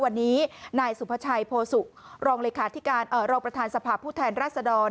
วันนี้นายสุภชัยโพอสู่รองประธานสภาพผู้แทนรัศดร